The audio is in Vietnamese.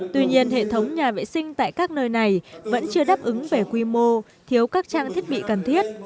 tuy nhiên hệ thống nhà vệ sinh tại các nơi này vẫn chưa đáp ứng về quy mô thiếu các trang thiết bị cần thiết